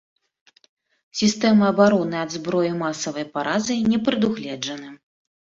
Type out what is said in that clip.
Сістэмы абароны ад зброі масавай паразы не прадугледжана.